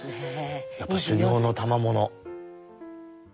やっぱ修業のたまもの。